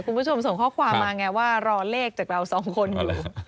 คุณผู้ชมส่งข้อความมาไงว่ารอเลขจากเราสองคนอยู่